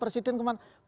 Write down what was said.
persis dia ketemu